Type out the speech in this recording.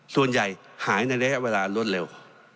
ส่วนใหญ่หายในระยะเวลารวดเร็ว